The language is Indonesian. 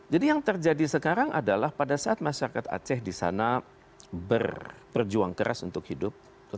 jadi yang terjadi sekarang adalah pada saat masyarakat aceh di sana berjuang keras untuk hidup